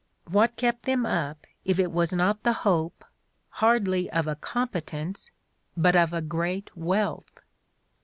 "What kept them up if it was not the hope, hardly of a competence, but of great wealth?